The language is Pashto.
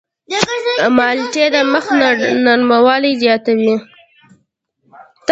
مالټې د مخ نرموالی زیاتوي.